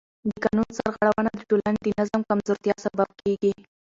د قانون سرغړونه د ټولنې د نظم د کمزورتیا سبب کېږي